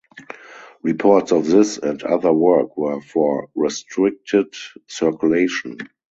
Reports of this and other work were for restricted circulation.